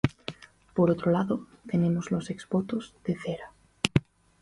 Por otro lado, tenemos los exvotos de cera.